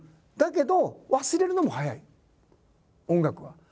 だけど忘れるのも早い音楽は。